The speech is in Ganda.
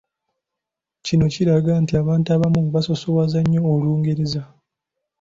Kino kiraga nti abantu abamu basoosowaza nnyo Olungereza.